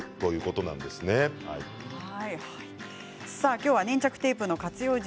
今日は粘着テープの活用術